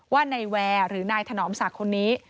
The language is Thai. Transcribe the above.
ว่านายแวร์หรือนายถนอมศักดิ์คนนี้